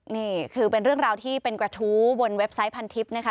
นี่คือเป็นเรื่องราวที่เป็นกระทู้บนเว็บไซต์พันทิพย์นะคะ